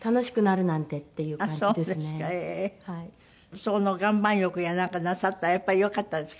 その岩盤浴やなんかなさったらやっぱり良かったですか？